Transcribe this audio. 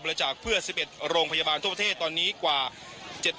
บริจาคเพื่อสิบเอ็ดโรงพยาบาลทั่วประเทศตอนนี้กว่าเจ็ด